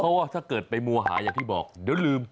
เพราะว่าถ้าเกิดไปมัวหาอย่างที่บอกเดี๋ยวลืม